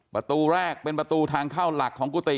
ประตูแรกเป็นประตูทางเข้าหลักของกุฏิ